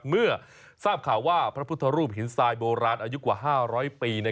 เมื่อทราบข่าวว่าพระพุทธรูปหินทรายโบราณอายุกว่า๕๐๐ปี